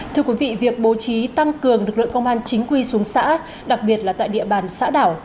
thưa quý vị việc bố trí tăng cường lực lượng công an chính quy xuống xã đặc biệt là tại địa bàn xã đảo